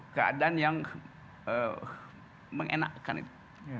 keadaan yang mengenakan itu